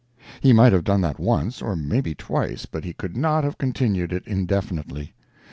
He might have done that once, or maybe twice, but he could not have continued it indefinitely.